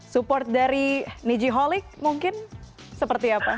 support dari nijiholic mungkin seperti apa